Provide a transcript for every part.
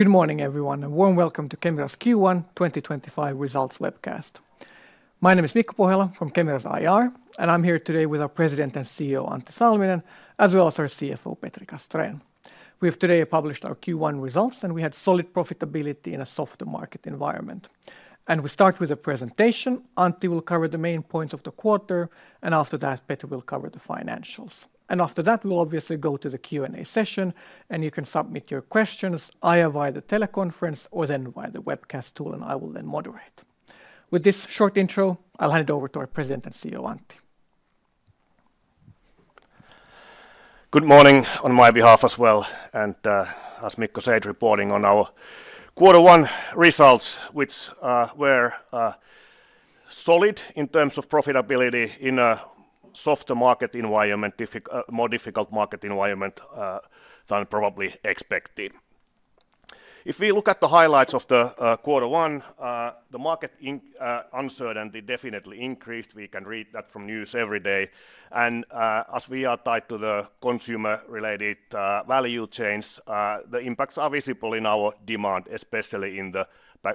Good morning, everyone, and warm welcome to Kemira's Q1 2025 results webcast. My name is Mikko Pohjala from Kemira's IR, and I'm here today with our President and CEO, Antti Salminen, as well as our CFO, Petri Castrén. We have today published our Q1 results, and we had solid profitability in a soft market environment. We start with a presentation. Antti will cover the main points of the quarter, and after that, Petri will cover the financials. After that, we'll obviously go to the Q&A session, and you can submit your questions either via the teleconference or via the webcast tool, and I will then moderate. With this short intro, I'll hand it over to our President and CEO, Antti. Good morning on my behalf as well, and as Mikko said, reporting on our Q1 results, which were solid in terms of profitability in a softer market environment, more difficult market environment than probably expected. If we look at the highlights of the Q1, the market uncertainty definitely increased. We can read that from news every day. As we are tied to the consumer-related value chains, the impacts are visible in our demand, especially in the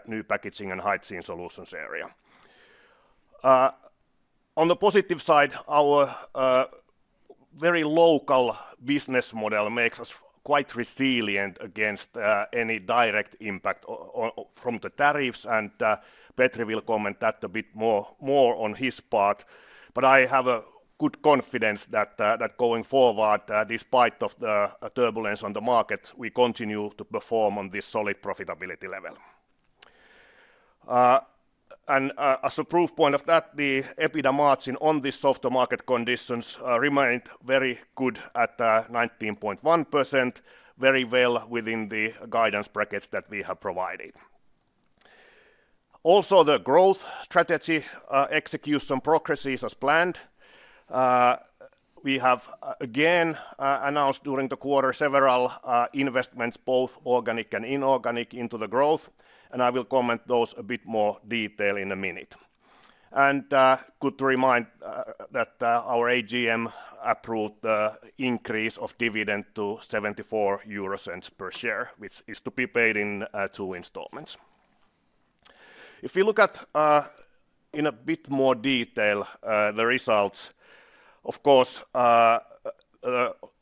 new Packaging and Hygiene Solutions area. On the positive side, our very local business model makes us quite resilient against any direct impact from the tariffs, and Petri will comment that a bit more on his part. I have good confidence that going forward, despite the turbulence on the market, we continue to perform on this solid profitability level. As a proof point of that, the EBITDA margin on the soft market conditions remained very good at 19.1%, very well within the guidance brackets that we have provided. Also, the growth strategy execution progresses as planned. We have again announced during the quarter several investments, both organic and inorganic, into the growth, and I will comment on those in a bit more detail in a minute. It is good to remind that our AGM approved the increase of dividend to 0.74 per share, which is to be paid in two installments. If we look at in a bit more detail the results, of course,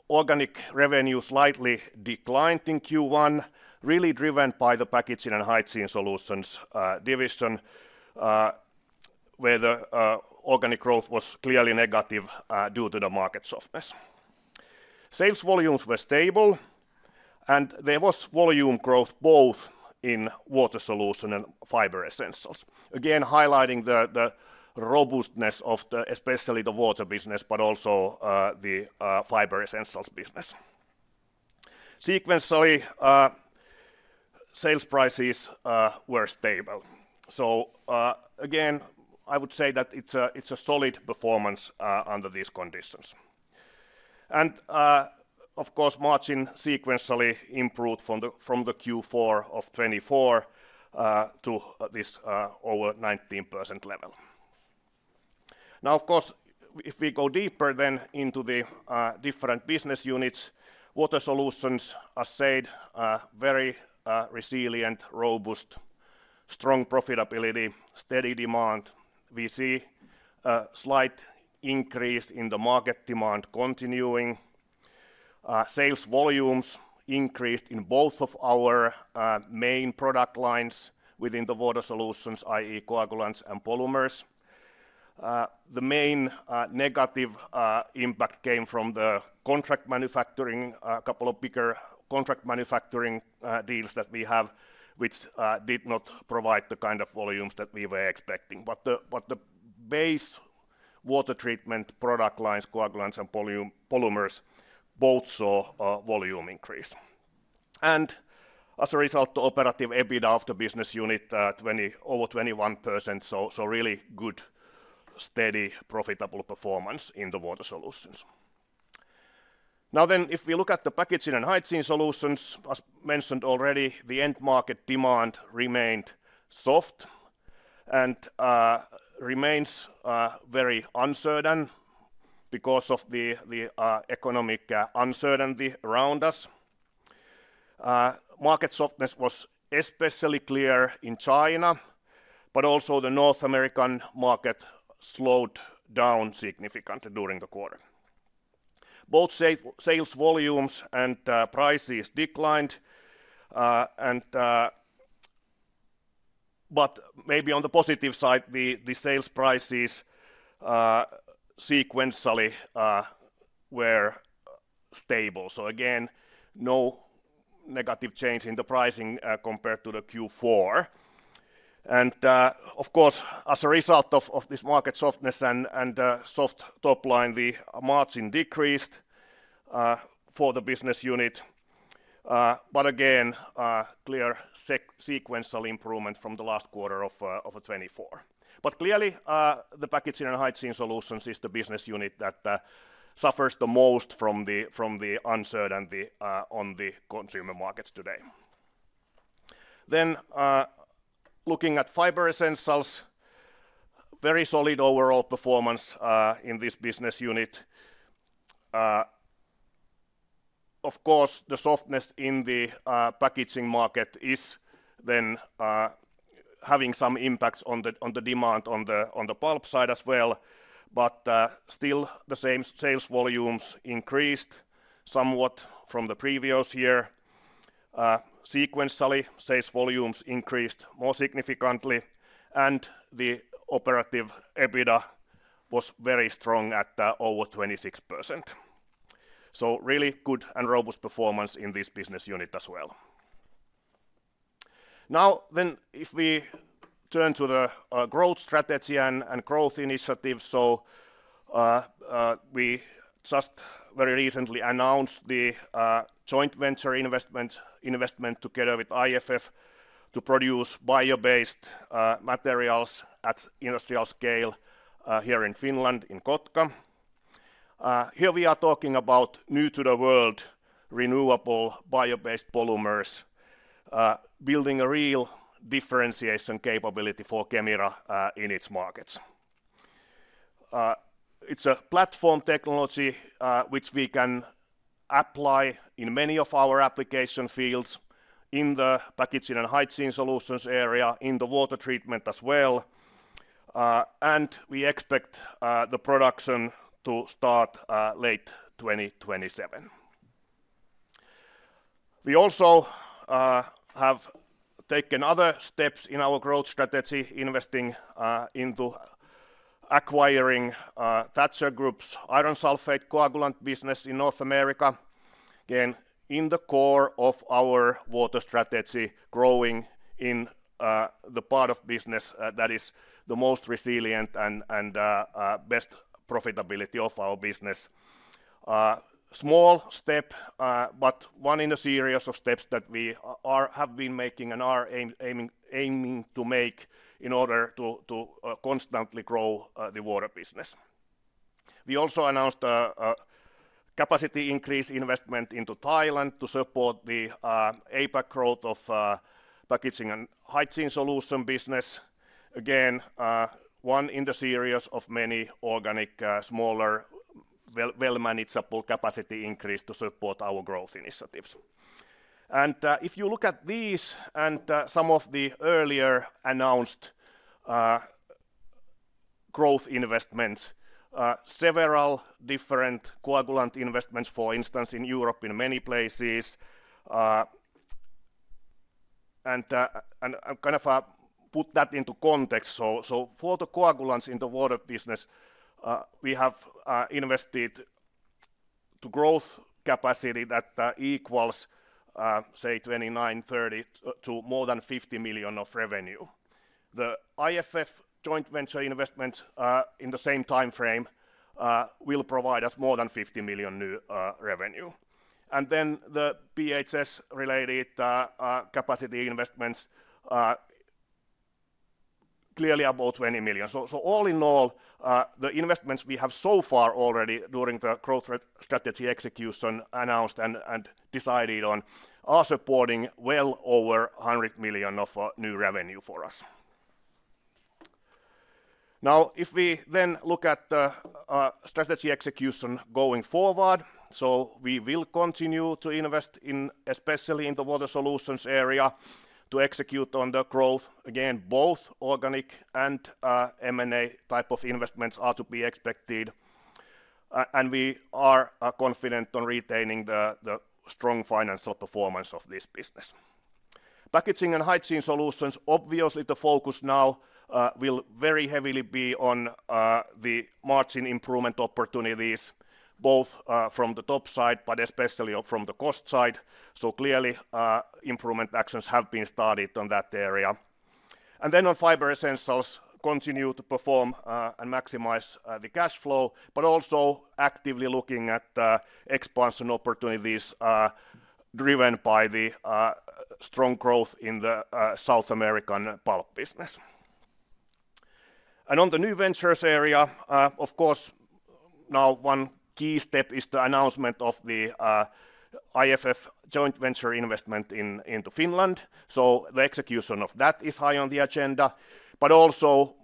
organic revenue slightly declined in Q1, really driven by the Packaging and Hygiene Solutions division, where the organic growth was clearly negative due to the market softness. Sales volumes were stable, and there was volume growth both in Water Solutions and Fiber Essentials, again highlighting the robustness of especially the water business, but also the Fiber Essentials business. Sequentially, sales prices were stable. I would say that it is a solid performance under these conditions. Of course, margin sequentially improved from the Q4 of 2024 to this over 19% level. Now, if we go deeper into the different business units, Water Solutions, as said, very resilient, robust, strong profitability, steady demand. We see a slight increase in the market demand continuing. Sales volumes increased in both of our main product lines within the Water Solutions, i.e., coagulants and polymers. The main negative impact came from the contract manufacturing, a couple of bigger contract manufacturing deals that we have, which did not provide the kind of volumes that we were expecting. The base water treatment product lines, coagulants and polymers, both saw a volume increase. As a result, the operative EBITDA of the business unit was over 21%, so really good, steady, profitable performance in the Water Solutions. Now, if we look at the Packaging and Hygiene Solutions, as mentioned already, the end market demand remained soft and remains very uncertain because of the economic uncertainty around us. Market softness was especially clear in China, but also the North American market slowed down significantly during the quarter. Both sales volumes and prices declined, but maybe on the positive side, the sales prices sequentially were stable. No negative change in the pricing compared to Q4. Of course, as a result of this market softness and soft top line, the margin decreased for the business unit, but again, clear sequential improvement from the last quarter of 2024. Clearly, the Packaging and Hygiene Solutions is the business unit that suffers the most from the uncertainty on the consumer markets today. Looking at Fiber Essentials, very solid overall performance in this business unit. Of course, the softness in the packaging market is then having some impacts on the demand on the pulp side as well, but still the same sales volumes increased somewhat from the previous year. Sequentially, sales volumes increased more significantly, and the operative EBITDA was very strong at over 26%. Really good and robust performance in this business unit as well. Now, if we turn to the growth strategy and growth initiative, we just very recently announced the joint venture investment together with IFF to produce bio-based materials at industrial scale here in Finland, in Kotka. Here we are talking about new-to-the-world renewable bio-based polymers, building a real differentiation capability for Kemira in its markets. It's a platform technology which we can apply in many of our application fields in the Packaging and Hygiene Solutions area, in the water treatment as well, and we expect the production to start late 2027. We also have taken other steps in our growth strategy, investing into acquiring Thatcher Group's iron sulfate coagulant business in North America, again in the core of our water strategy, growing in the part of business that is the most resilient and best profitability of our business. Small step, but one in a series of steps that we have been making and are aiming to make in order to constantly grow the water business. We also announced a capacity increase investment into Thailand to support the APAC growth of Packaging and Hygiene Solutions business, again one in the series of many organic smaller well-manageable capacity increases to support our growth initiatives. If you look at these and some of the earlier announced growth investments, several different coagulant investments, for instance, in Europe in many places, and kind of put that into context. For the coagulants in the water business, we have invested to growth capacity that equals, say, 29 million, 30 million to more than 50 million of revenue. The IFF joint venture investments in the same timeframe will provide us more than 50 million new revenue. The BHS-related capacity investments, clearly about 20 million. All in all, the investments we have so far already during the growth strategy execution announced and decided on are supporting well over 100 million of new revenue for us. Now, if we then look at the strategy execution going forward, we will continue to invest in, especially in the Water Solutions area, to execute on the growth. Again, both organic and M&A type of investments are to be expected, and we are confident on retaining the strong financial performance of this business. Packaging and hygiene solutions, obviously the focus now will very heavily be on the margin improvement opportunities, both from the top side, but especially from the cost side. Clearly, improvement actions have been started on that area. On Fiber Essentials, continue to perform and maximize the cash flow, but also actively looking at expansion opportunities driven by the strong growth in the South American pulp business. On the new ventures area, of course, now one key step is the announcement of the IFF joint venture investment into Finland. The execution of that is high on the agenda, but also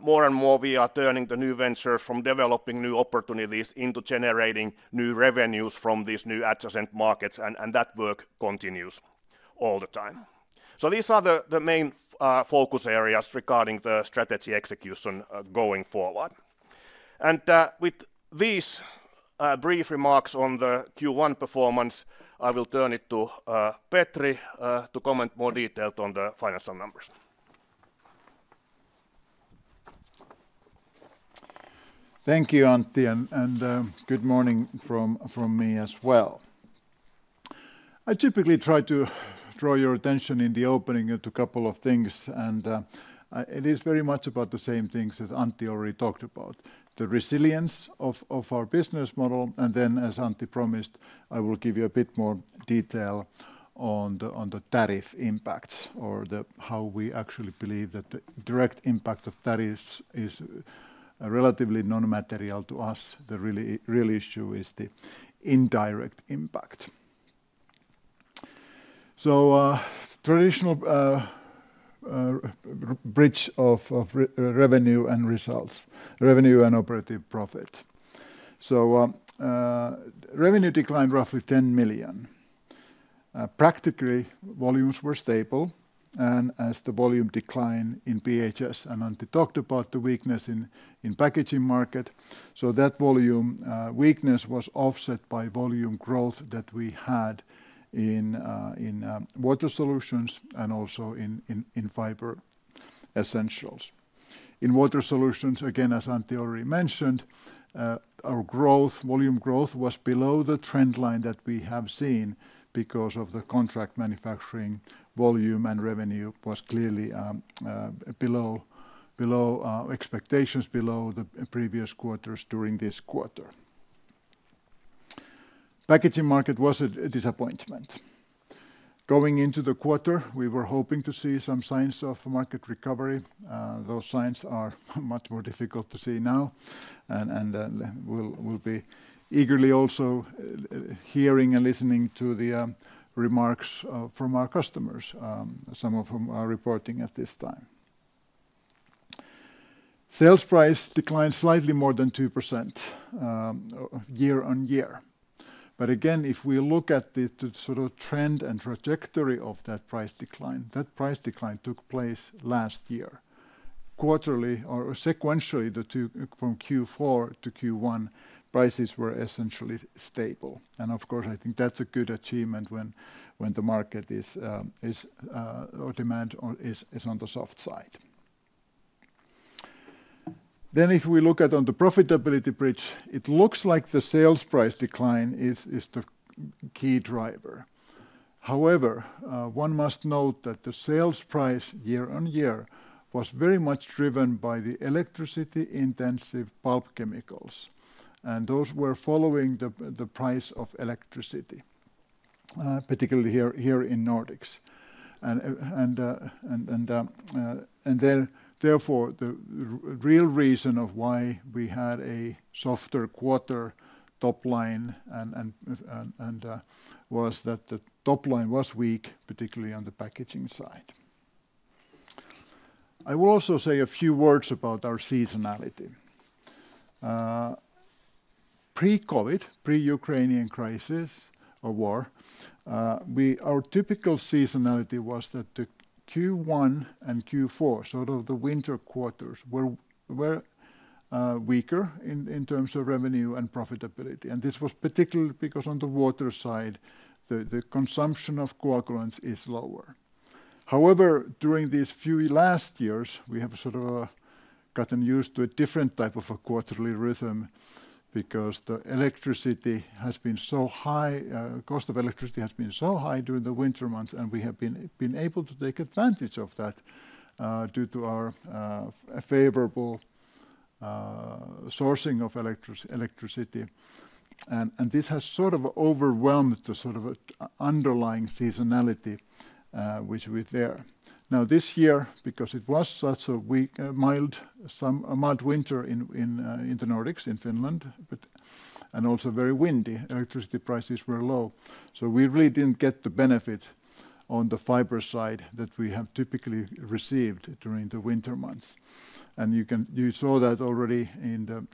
more and more we are turning the new ventures from developing new opportunities into generating new revenues from these new adjacent markets, and that work continues all the time. These are the main focus areas regarding the strategy execution going forward. With these brief remarks on the Q1 performance, I will turn it to Petri to comment more detailed on the financial numbers. Thank you, Antti, and good morning from me as well. I typically try to draw your attention in the opening to a couple of things, and it is very much about the same things as Antti already talked about, the resilience of our business model. As Antti promised, I will give you a bit more detail on the tariff impacts or how we actually believe that the direct impact of tariffs is relatively non-material to us. The real issue is the indirect impact. Traditional bridge of revenue and results, revenue and operative profit. Revenue declined roughly 10 million. Practically, volumes were stable, and as the volume decline in BHS and Antti talked about the weakness in packaging market, that volume weakness was offset by volume growth that we had in Water Solutions and also in Fiber Essentials. In Water Solutions, again, as Antti already mentioned, our growth, volume growth was below the trend line that we have seen because of the contract manufacturing volume and revenue was clearly below expectations, below the previous quarters during this quarter. Packaging market was a disappointment. Going into the quarter, we were hoping to see some signs of market recovery. Those signs are much more difficult to see now, and we'll be eagerly also hearing and listening to the remarks from our customers, some of whom are reporting at this time. Sales price declined slightly more than 2% year on year. Again, if we look at the sort of trend and trajectory of that price decline, that price decline took place last year. Quarterly or sequentially, from Q4 to Q1, prices were essentially stable. Of course, I think that's a good achievement when the market is or demand is on the soft side. If we look at the profitability bridge, it looks like the sales price decline is the key driver. However, one must note that the sales price year on year was very much driven by the electricity-intensive pulp chemicals, and those were following the price of electricity, particularly here in Nordics. Therefore, the real reason of why we had a softer quarter top line was that the top line was weak, particularly on the packaging side. I will also say a few words about our seasonality. Pre-COVID, pre-Ukrainian crisis or war, our typical seasonality was that the Q1 and Q4, sort of the winter quarters, were weaker in terms of revenue and profitability. This was particularly because on the water side, the consumption of coagulants is lower. However, during these few last years, we have sort of gotten used to a different type of a quarterly rhythm because the electricity has been so high, cost of electricity has been so high during the winter months, and we have been able to take advantage of that due to our favorable sourcing of electricity. This has sort of overwhelmed the sort of underlying seasonality which we have there. Now this year, because it was such a mild winter in the Nordics, in Finland, and also very windy, electricity prices were low. We really did not get the benefit on the fiber side that we have typically received during the winter months. You saw that already in the,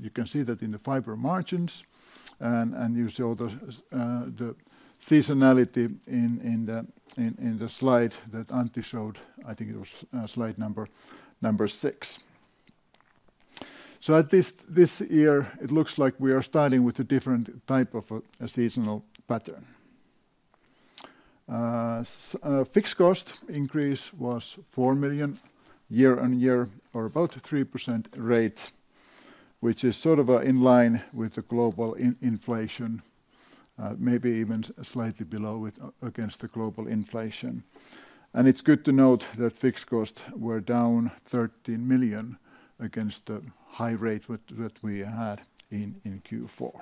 you can see that in the fiber margins, and you saw the seasonality in the slide that Antti showed, I think it was slide number six. At this year, it looks like we are starting with a different type of a seasonal pattern. Fixed cost increase was 4 million year on year or about 3% rate, which is sort of in line with the global inflation, maybe even slightly below against the global inflation. It is good to note that fixed costs were down 13 million against the high rate that we had in Q4.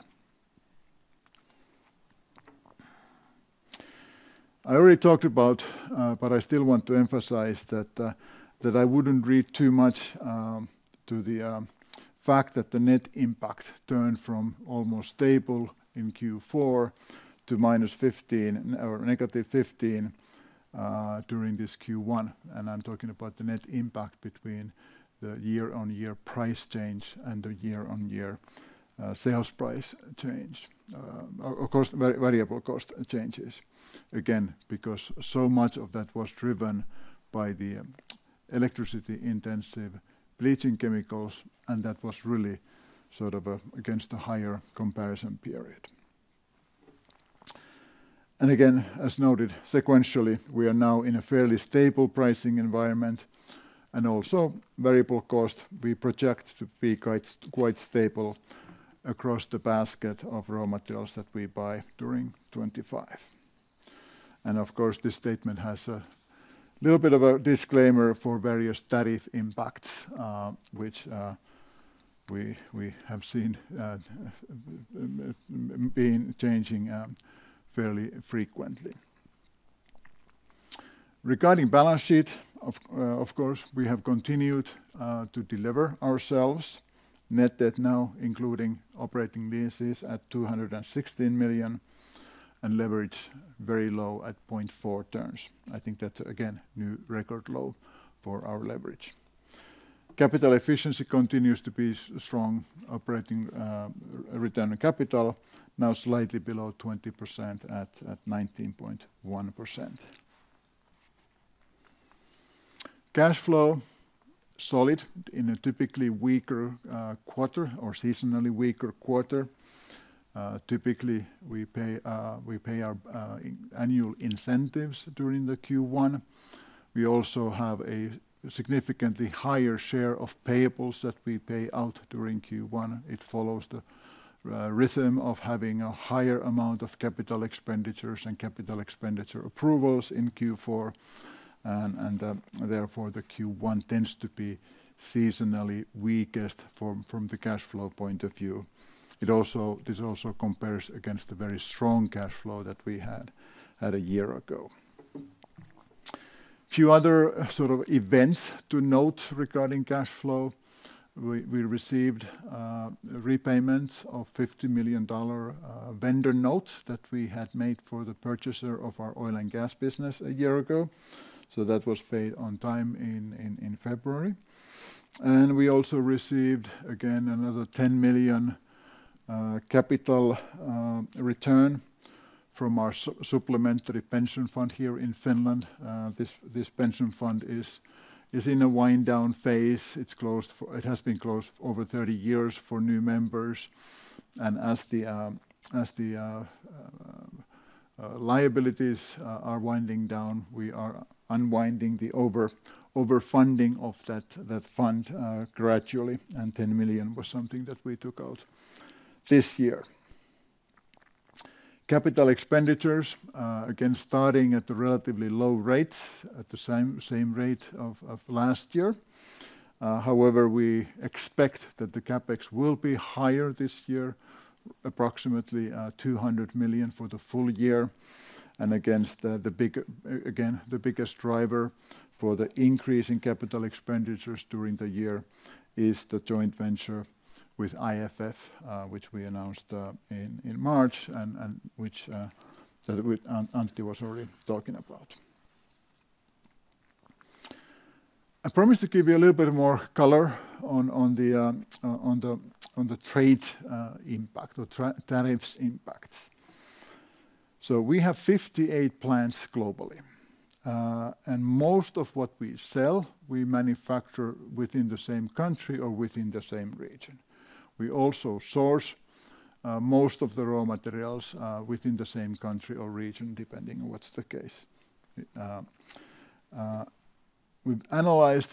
I already talked about, but I still want to emphasize that I would not read too much to the fact that the net impact turned from almost stable in Q4 to minus 15 or -15 during this Q1. I am talking about the net impact between the year-on-year price change and the year-on-year sales price change. Of course, variable cost changes, again, because so much of that was driven by the electricity-intensive bleaching chemicals, and that was really sort of against a higher comparison period. As noted, sequentially, we are now in a fairly stable pricing environment, and also variable cost, we project to be quite stable across the basket of raw materials that we buy during 2025. This statement has a little bit of a disclaimer for various tariff impacts, which we have seen being changing fairly frequently. Regarding balance sheet, of course, we have continued to deliver ourselves, net debt now including operating leases at 216 million and leverage very low at 0.4 turns. I think that is again new record low for our leverage. Capital efficiency continues to be strong, operating return on capital now slightly below 20% at 19.1%. Cash flow solid in a typically weaker quarter or seasonally weaker quarter. Typically, we pay our annual incentives during the Q1. We also have a significantly higher share of payables that we pay out during Q1. It follows the rhythm of having a higher amount of capital expenditures and capital expenditure approvals in Q4, and therefore the Q1 tends to be seasonally weakest from the cash flow point of view. This also compares against the very strong cash flow that we had a year ago. Few other sort of events to note regarding cash flow. We received repayments of $50 million vendor note that we had made for the purchaser of our oil and gas business a year ago. That was paid on time in February. We also received again another 10 million capital return from our supplementary pension fund here in Finland. This pension fund is in a wind down phase. It has been closed over 30 years for new members. As the liabilities are winding down, we are unwinding the overfunding of that fund gradually, and 10 million was something that we took out this year. Capital expenditures again starting at a relatively low rate, at the same rate of last year. However, we expect that the CapEx will be higher this year, approximately 200 million for the full year. The biggest driver for the increase in capital expenditures during the year is the joint venture with IFF, which we announced in March and which Antti was already talking about. I promised to give you a little bit more color on the trade impact or tariffs impacts. We have 58 plants globally, and most of what we sell, we manufacture within the same country or within the same region. We also source most of the raw materials within the same country or region, depending on what's the case. We have analyzed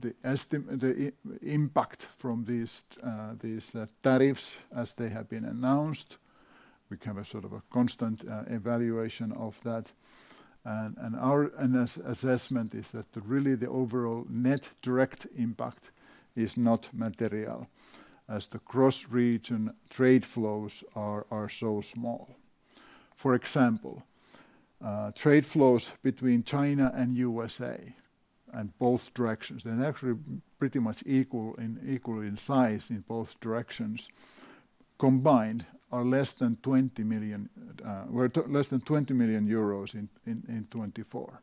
the impact from these tariffs as they have been announced. We have a sort of a constant evaluation of that, and our assessment is that really the overall net direct impact is not material as the cross-region trade flows are so small. For example, trade flows between China and the USA in both directions, they are actually pretty much equal in size in both directions combined and are less than EUR 20 million in 2024.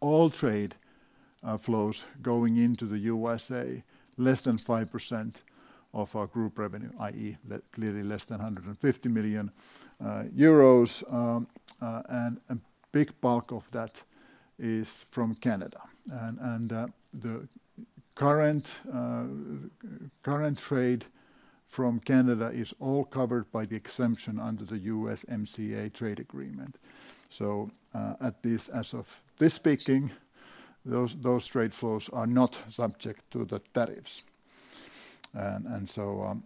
All trade flows going into the USA are less than 5% of our group revenue, i.e., clearly less than 150 million euros, and a big bulk of that is from Canada. The current trade from Canada is all covered by the exemption under the USMCA trade agreement. At this, as of this speaking, those trade flows are not subject to the tariffs. The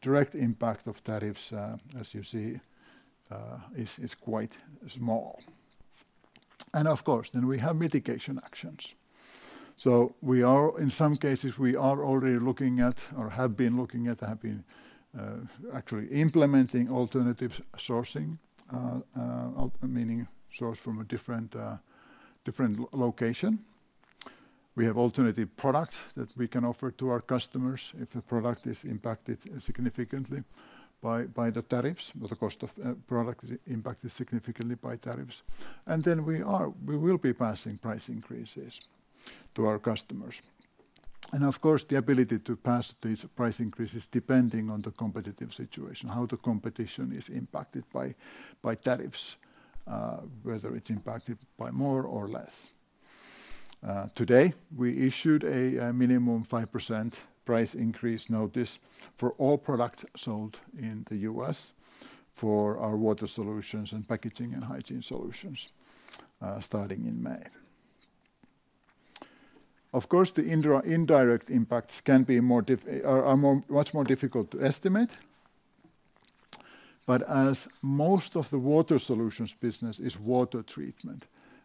direct impact of tariffs, as you see, is quite small. Of course, then we have mitigation actions. In some cases, we are already looking at or have been looking at, have been actually implementing alternative sourcing, meaning source from a different location. We have alternative products that we can offer to our customers if a product is impacted significantly by the tariffs, the cost of product impacted significantly by tariffs. We will be passing price increases to our customers. Of course, the ability to pass these price increases depends on the competitive situation, how the competition is impacted by tariffs, whether it is impacted by more or less. Today, we issued a minimum 5% price increase notice for all products sold in the U.S. for our Water Solutions and Packaging and Hygiene Solutions starting in May. Of course, the indirect impacts can be much more difficult to estimate. As most of the Water Solutions business is water treatment,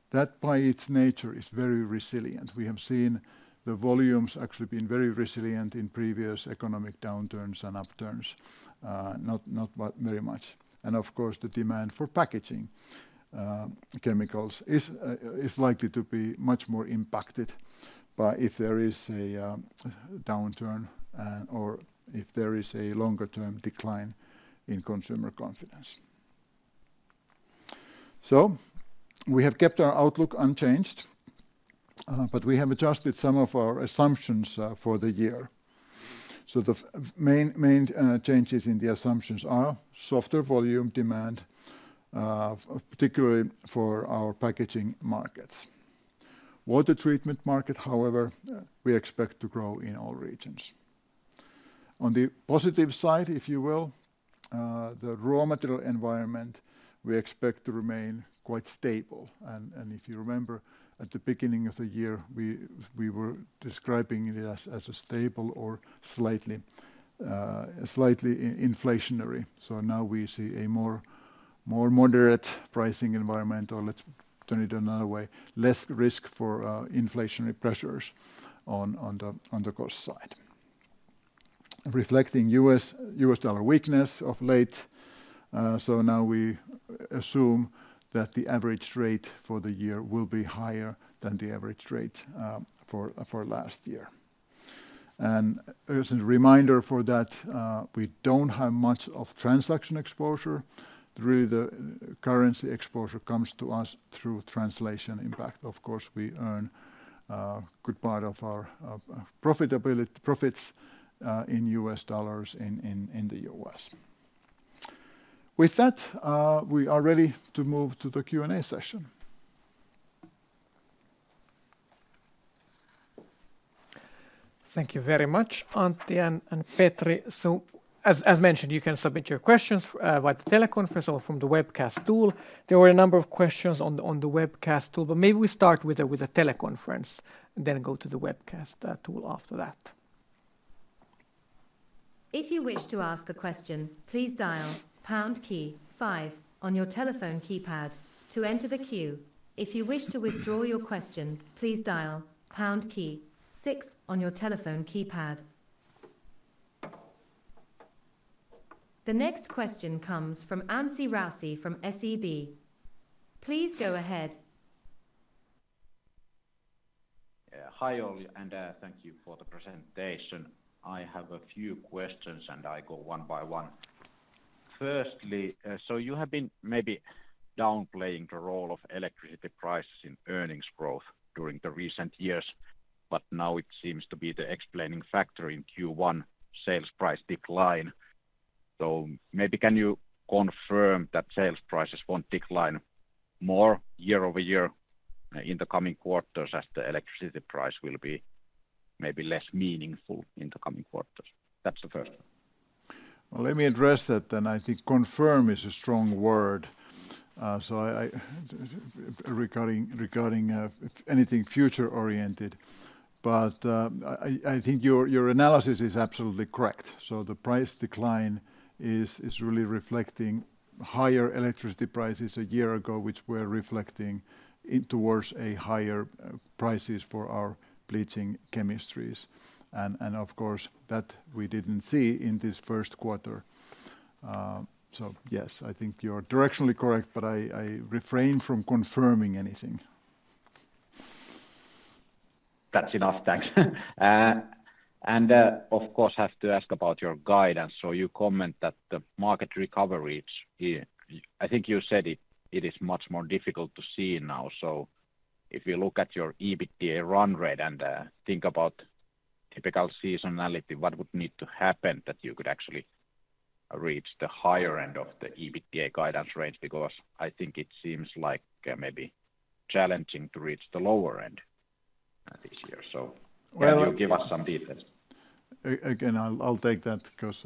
that by its nature is very resilient. We have seen the volumes actually being very resilient in previous economic downturns and upturns, not very much. Of course, the demand for packaging chemicals is likely to be much more impacted if there is a downturn or if there is a longer-term decline in consumer confidence. We have kept our outlook unchanged, but we have adjusted some of our assumptions for the year. The main changes in the assumptions are softer volume demand, particularly for our packaging markets. Water treatment market, however, we expect to grow in all regions. On the positive side, if you will, the raw material environment, we expect to remain quite stable. If you remember, at the beginning of the year, we were describing it as a stable or slightly inflationary. Now we see a more moderate pricing environment, or let's turn it another way, less risk for inflationary pressures on the cost side. Reflecting U.S. dollar weakness of late, now we assume that the average rate for the year will be higher than the average rate for last year. As a reminder for that, we do not have much of transaction exposure. Really, the currency exposure comes to us through translation impact. Of course, we earn a good part of our profits in U.S. dollars in the U.S. With that, we are ready to move to the Q&A session. Thank you very much, Antti and Petri. As mentioned, you can submit your questions via the teleconference or from the webcast tool. There were a number of questions on the webcast tool, but maybe we start with a teleconference and then go to the webcast tool after that. If you wish to ask a question, please dial pound key five on your telephone keypad to enter the queue. If you wish to withdraw your question, please dial pound key six on your telephone keypad. The next question comes from Anssi Raussi from SEB. Please go ahead. Hi, all, and thank you for the presentation. I have a few questions, and I go one by one. Firstly, you have been maybe downplaying the role of electricity prices in earnings growth during the recent years, but now it seems to be the explaining factor in Q1 sales price decline. Maybe can you confirm that sales prices won't decline more year over year in the coming quarters as the electricity price will be maybe less meaningful in the coming quarters? That's the first one. Let me address that, and I think confirm is a strong word regarding anything future-oriented. I think your analysis is absolutely correct. The price decline is really reflecting higher electricity prices a year ago, which were reflecting towards higher prices for our bleaching chemistries. Of course, that we did not see in this first quarter. Yes, I think you are directionally correct, but I refrain from confirming anything. That's enough, thanks. Of course, I have to ask about your guidance. You comment that the market recovery, I think you said it is much more difficult to see now. If you look at your EBITDA run rate and think about typical seasonality, what would need to happen that you could actually reach the higher end of the EBITDA guidance range? I think it seems like maybe challenging to reach the lower end this year. Can you give us some details? Again, I'll take that because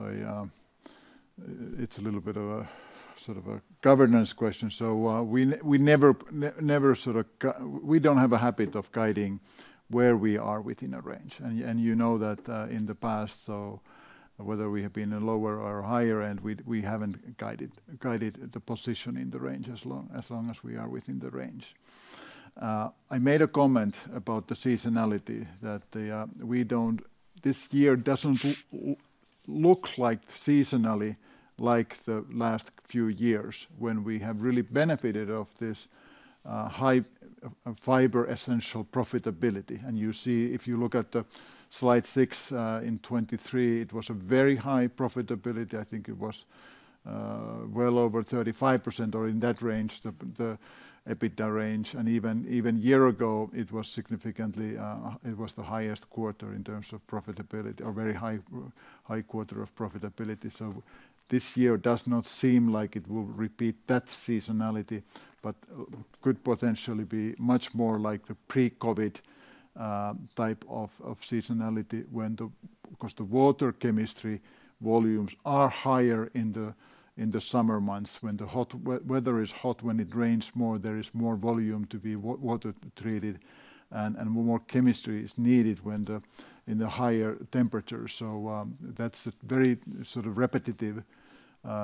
it's a little bit of a sort of a governance question. We never sort of, we don't have a habit of guiding where we are within a range. You know that in the past, whether we have been in lower or higher end, we haven't guided the position in the range as long as we are within the range. I made a comment about the seasonality that this year doesn't look seasonally like the last few years when we have really benefited of this high Fiber Essentials profitability. You see, if you look at slide six in 2023, it was a very high profitability. I think it was well over 35% or in that range, the EBITDA range. Even a year ago, it was significantly, it was the highest quarter in terms of profitability or very high quarter of profitability. This year does not seem like it will repeat that seasonality, but could potentially be much more like the pre-COVID type of seasonality because the water chemistry volumes are higher in the summer months when the hot weather is hot. When it rains more, there is more volume to be water treated, and more chemistry is needed in the higher temperatures. That is a very sort of repetitive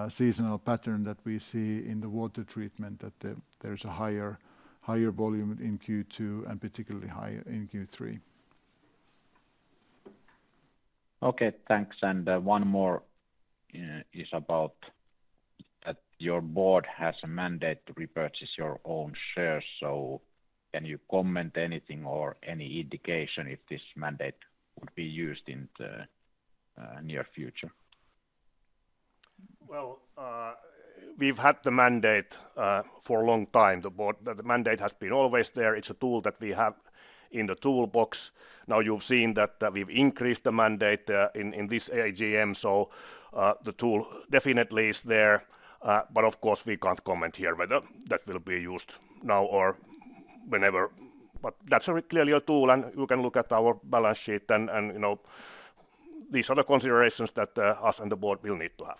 seasonal pattern that we see in the water treatment, that there is a higher volume in Q2 and particularly higher in Q3. Okay, thanks. One more is about that your board has a mandate to repurchase your own shares. Can you comment anything or any indication if this mandate would be used in the near future? We have had the mandate for a long time. The mandate has been always there. It is a tool that we have in the toolbox. You have seen that we have increased the mandate in this AGM. The tool definitely is there. Of course, we cannot comment here whether that will be used now or whenever. That is clearly a tool, and you can look at our balance sheet and these other considerations that we and the board will need to have.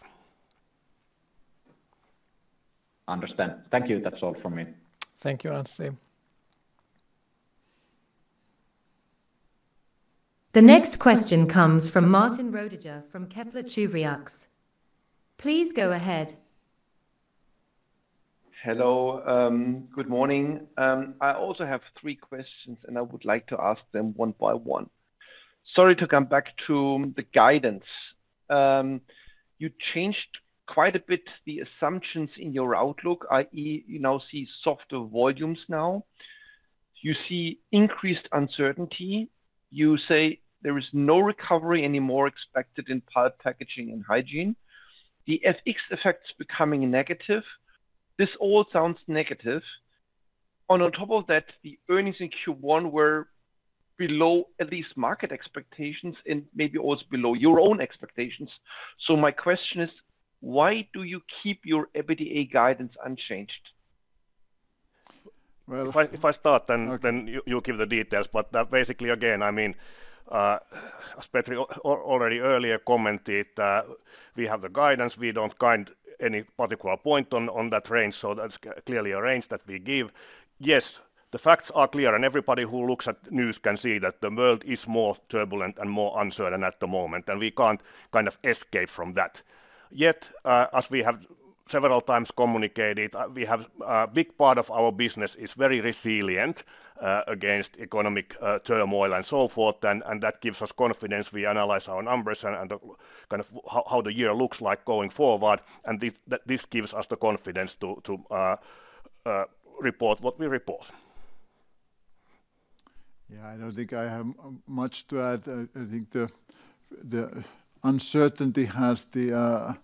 Understand. Thank you. That's all from me. Thank you, Anssi. The next question comes from Martin Roediger from Kepler Cheuvreux. Please go ahead. Hello, good morning. I also have three questions, and I would like to ask them one by one. Sorry to come back to the guidance. You changed quite a bit the assumptions in your outlook, i.e., you now see softer volumes now. You see increased uncertainty. You say there is no recovery anymore expected in packaging and hygiene. The FX effect is becoming negative. This all sounds negative. On top of that, the earnings in Q1 were below at least market expectations and maybe also below your own expectations. My question is, why do you keep your EBITDA guidance unchanged? If I start, then you'll give the details. Basically, again, I mean, as Petri already earlier commented, we have the guidance. We do not find any particular point on that range. That is clearly a range that we give. Yes, the facts are clear, and everybody who looks at news can see that the world is more turbulent and more uncertain at the moment, and we cannot kind of escape from that. Yet, as we have several times communicated, a big part of our business is very resilient against economic turmoil and so forth, and that gives us confidence. We analyze our numbers and kind of how the year looks like going forward. This gives us the confidence to report what we report. Yeah, I do not think I have much to add. I think the uncertainty has the,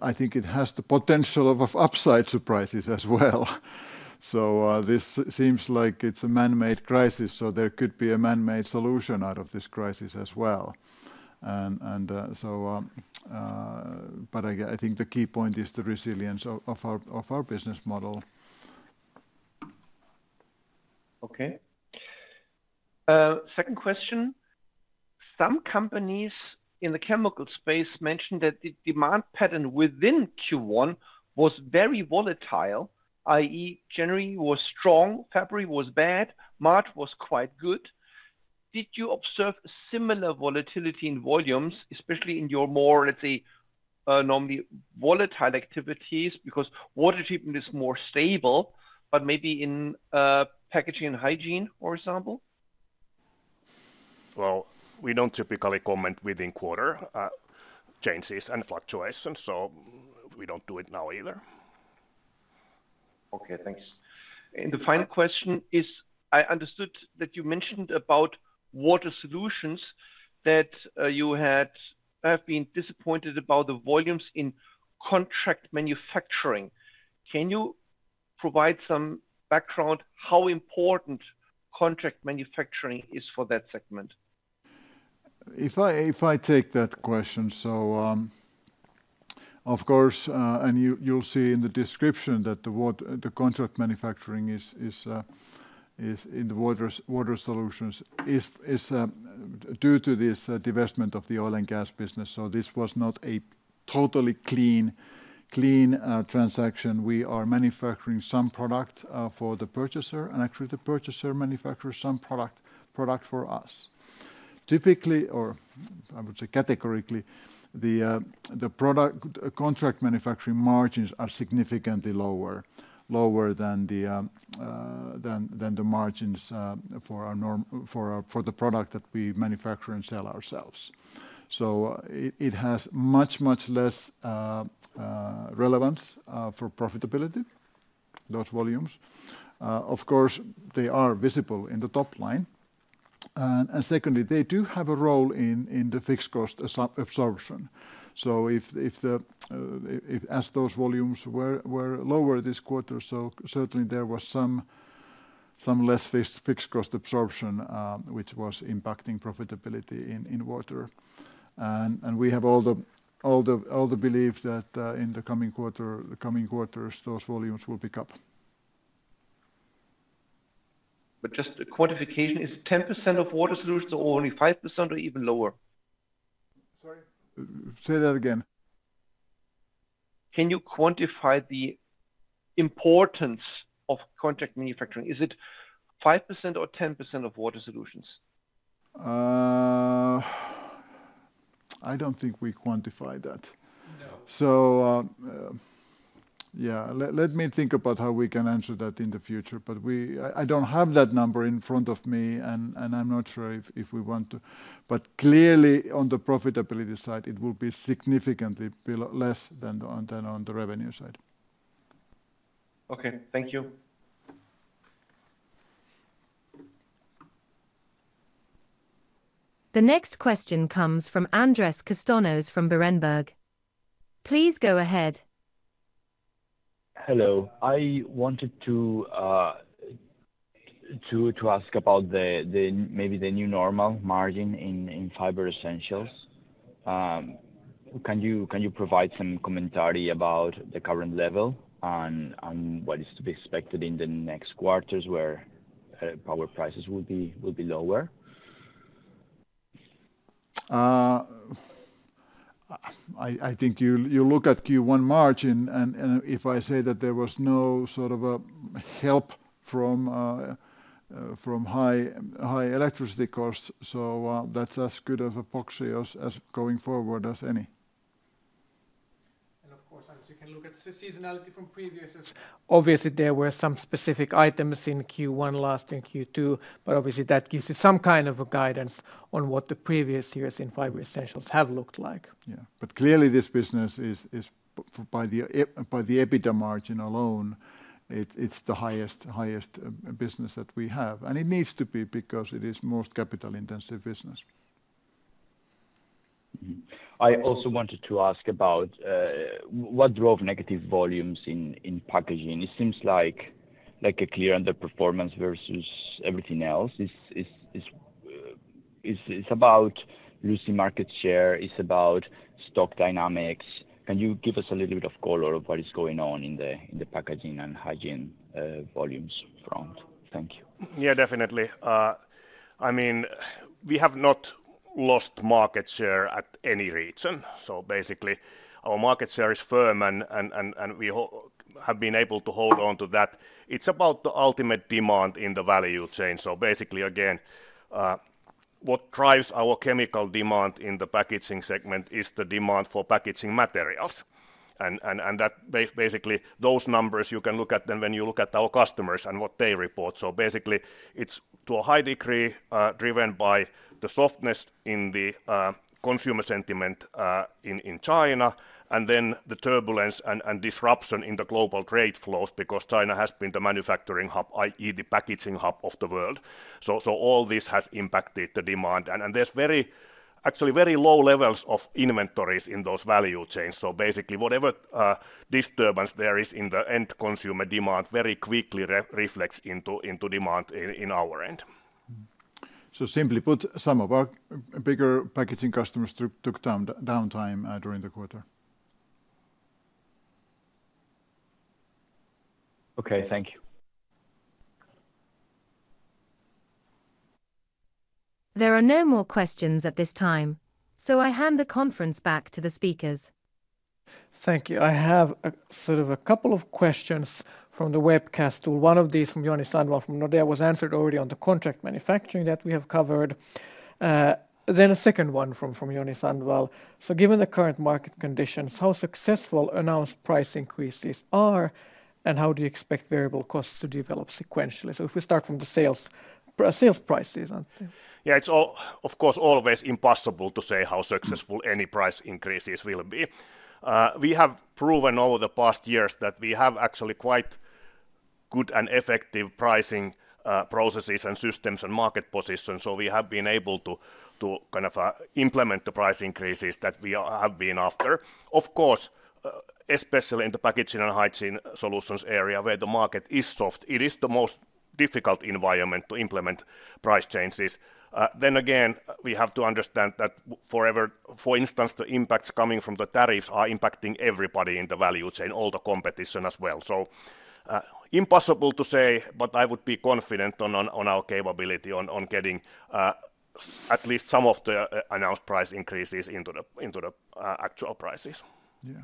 I think it has the potential of upside surprises as well. This seems like it is a man-made crisis. There could be a man-made solution out of this crisis as well. I think the key point is the resilience of our business model. Okay. Second question. Some companies in the chemical space mentioned that the demand pattern within Q1 was very volatile, i.e., January was strong, February was bad, March was quite good. Did you observe similar volatility in volumes, especially in your more, let's say, normally volatile activities? Because water treatment is more stable, but maybe in packaging and hygiene, for example. We do not typically comment within quarter changes and fluctuations. We do not do it now either. Okay, thanks. The final question is, I understood that you mentioned about Water Solutions that you have been disappointed about the volumes in contract manufacturing. Can you provide some background on how important contract manufacturing is for that segment? If I take that question, of course, and you'll see in the description that the contract manufacturing in the Water Solutions is due to this development of the oil and gas business. This was not a totally clean transaction. We are manufacturing some product for the purchaser, and actually the purchaser manufactures some product for us. Typically, or I would say categorically, the contract manufacturing margins are significantly lower than the margins for the product that we manufacture and sell ourselves. It has much, much less relevance for profitability, those volumes. Of course, they are visible in the top line. Secondly, they do have a role in the fixed cost absorption. As those volumes were lower this quarter, certainly there was some less fixed cost absorption, which was impacting profitability in water. We have all the belief that in the coming quarters, those volumes will pick up. Just the quantification, is it 10% of Water Solutions or only 5% or even lower? Sorry? Say that again. Can you quantify the importance of contract manufacturing? Is it 5% or 10% of Water Solutions? I do not think we quantify that. Yeah, let me think about how we can answer that in the future, but I do not have that number in front of me, and I am not sure if we want to. Clearly, on the profitability side, it will be significantly less than on the revenue side. Okay, thank you. The next question comes from Andres Castanos from Berenberg. Please go ahead. Hello. I wanted to ask about maybe the new normal margin in Fiber Essentials. Can you provide some commentary about the current level and what is to be expected in the next quarters where power prices will be lower? I think you look at Q1 margin, and if I say that there was no sort of help from high electricity costs, so that's as good of a proxy as going forward as any. Of course, you can look at the seasonality from previous. Obviously, there were some specific items in Q1 last and Q2, but obviously that gives you some kind of guidance on what the previous years in Fiber Essentials have looked like. Yeah, clearly this business is, by the EBITDA margin alone, it's the highest business that we have. It needs to be because it is the most capital-intensive business. I also wanted to ask about what drove negative volumes in packaging. It seems like a clear underperformance versus everything else. Is it about losing market share? Is it about stock dynamics? Can you give us a little bit of color of what is going on in the packaging and hygiene volumes front? Thank you. Yeah, definitely. I mean, we have not lost market share at any region. Basically, our market share is firm, and we have been able to hold on to that. It's about the ultimate demand in the value chain. Basically, again, what drives our chemical demand in the packaging segment is the demand for packaging materials. Basically, those numbers, you can look at them when you look at our customers and what they report. Basically, it's to a high degree driven by the softness in the consumer sentiment in China and the turbulence and disruption in the global trade flows because China has been the manufacturing hub, i.e., the packaging hub of the world. All this has impacted the demand. There's actually very low levels of inventories in those value chains. Basically, whatever disturbance there is in the end consumer demand very quickly reflects into demand in our end. Simply put, some of our bigger packaging customers took downtime during the quarter. Okay, thank you. There are no more questions at this time, so I hand the conference back to the speakers. Thank you. I have sort of a couple of questions from the webcast tool. One of these from Joni Sandvall from Nordea was answered already on the contract manufacturing that we have covered. A second one from Joni Sandvall. Given the current market conditions, how successful announced price increases are, and how do you expect variable costs to develop sequentially? If we start from the sales prices. Yeah, it's of course always impossible to say how successful any price increases will be. We have proven over the past years that we have actually quite good and effective pricing processes and systems and market positions. We have been able to kind of implement the price increases that we have been after. Of course, especially in the Packaging and Hygiene Solutions area where the market is soft, it is the most difficult environment to implement price changes. We have to understand that for instance, the impacts coming from the tariffs are impacting everybody in the value chain, all the competition as well. Impossible to say, but I would be confident on our capability on getting at least some of the announced price increases into the actual prices. Yeah.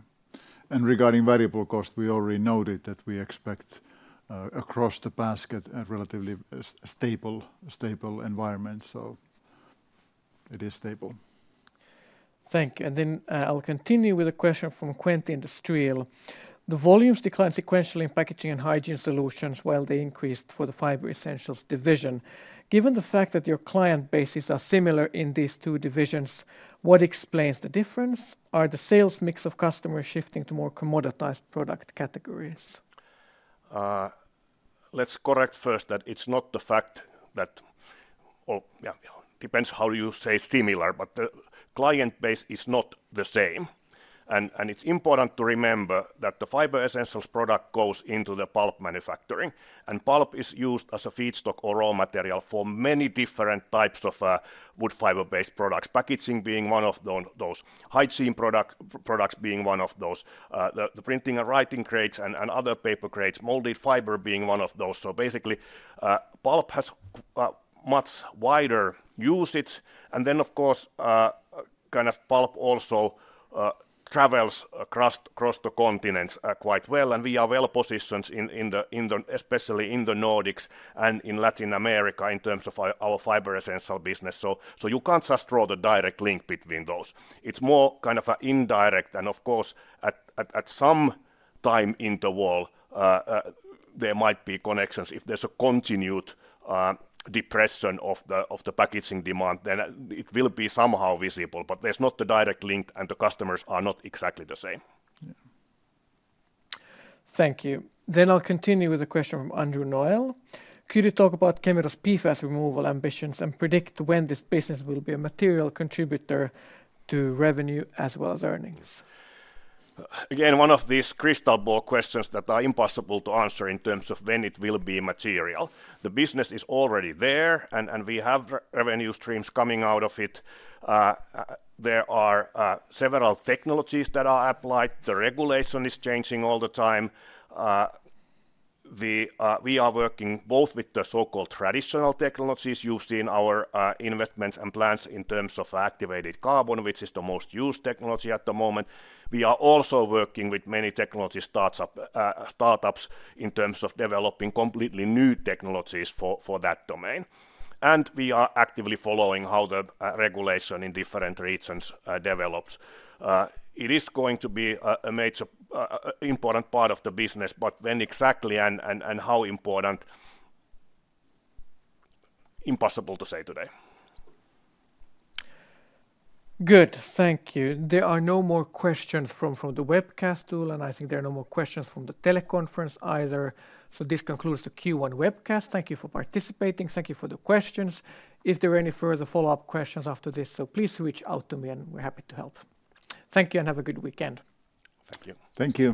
Regarding variable cost, we already noted that we expect across the basket a relatively stable environment. It is stable. Thank you. I will continue with a question from Quentin de Streel. The volumes declined sequentially in Packaging and Hygiene Solutions while they increased for the Fiber Essentials division. Given the fact that your client bases are similar in these two divisions, what explains the difference? Are the sales mix of customers shifting to more commoditized product categories? Let's correct first that it's not the fact that, well, it depends how you say similar, but the client base is not the same. It's important to remember that the Fiber Essentials product goes into the pulp manufacturing. Pulp is used as a feedstock or raw material for many different types of wood fiber-based products, packaging being one of those, hygiene products being one of those, the printing and writing grades and other paper grades, molded fiber being one of those. Basically, pulp has much wider usage. Of course, kind of pulp also travels across the continents quite well. We are well positioned especially in the Nordics and in Latin America in terms of our Fiber Essentials business. You can't just draw the direct link between those. It's more kind of indirect. Of course, at some time in the world, there might be connections. If there's a continued depression of the packaging demand, then it will be somehow visible. There is not a direct link, and the customers are not exactly the same. Thank you. I will continue with a question from Andrew Noel. Could you talk about Kemira's PFAS removal ambitions and predict when this business will be a material contributor to revenue as well as earnings? Again, one of these crystal ball questions that are impossible to answer in terms of when it will be material. The business is already there, and we have revenue streams coming out of it. There are several technologies that are applied. The regulation is changing all the time. We are working both with the so-called traditional technologies used in our investments and plans in terms of activated carbon, which is the most used technology at the moment. We are also working with many technology startups in terms of developing completely new technologies for that domain. We are actively following how the regulation in different regions develops. It is going to be a major important part of the business, but when exactly and how important, impossible to say today. Good. Thank you. There are no more questions from the webcast tool, and I think there are no more questions from the teleconference either. This concludes the Q1 webcast. Thank you for participating. Thank you for the questions. If there are any further follow-up questions after this, please reach out to me, and we're happy to help. Thank you and have a good weekend. Thank you. Thank you.